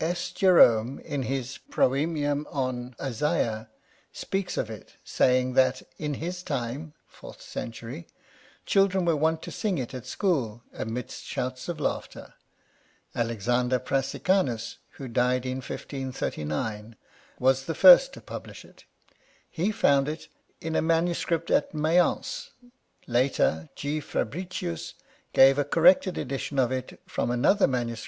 S. Jerome, in his " Procemium on Isaiah," speaks of it, saying, that in his time (fourth century) children were wont to sing it at school, amidst shouts of laughter. Alexander Brassicanus, who died in 1539, was the first to publish it ; he found it in a MS. at Mayence. Later, G. Fabricius gave a corrected edition of it from another MS.